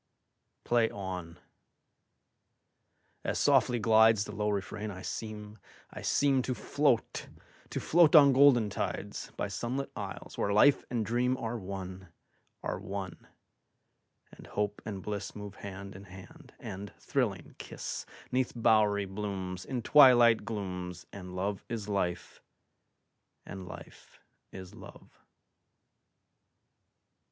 Play on! As softly glidesThe low refrain, I seem, I seemTo float, to float on golden tides, By sunlit isles, where life and dreamAre one, are one; and hope and blissMove hand in hand, and thrilling, kiss'Neath bowery blooms, In twilight glooms, And love is life, and life is love.